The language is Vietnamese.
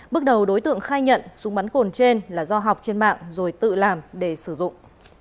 bước đầu đối tượng khai nhận súng bắn cồn trên là do học trên mạng rồi tự làm để sử dụng